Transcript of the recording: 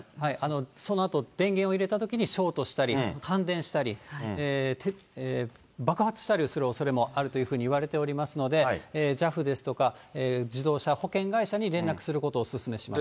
そのあと電源を入れたあとに、ショートしたり、感電したり、爆発したりするおそれもあるというふうにいわれておりますので、ＪＡＦですとか、自動車保険会社に連絡することをお勧めします。